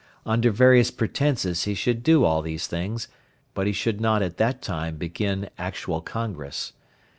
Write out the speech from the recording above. Under various pretences he should do all these things, but he should not at that time begin actual congress.